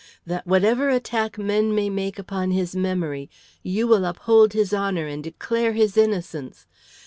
That, whatever attack men may make upon his memory, you will uphold his honor and declare his innocence!